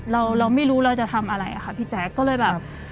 เราเราไม่รู้เราจะทำอะไรอะค่ะพี่แจ๊คก็เลยแบบ